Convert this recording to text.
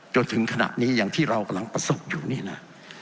จนถึงขณะนี้อย่างที่เรากำลังประสบอยู่นี่นะ